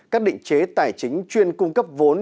các định chế tài chính chuyên cung cấp vốn